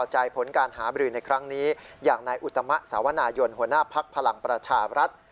ใจผลการหาบรือในครั้งนี้อย่างนายอุตมะสาวนายนหัวหน้าภักดิ์พลังประชาบรัฐ